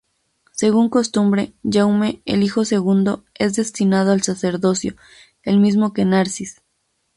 Según costumbre, Jaume, el hijo segundo, es destinado al sacerdocio, el mismo que Narcís.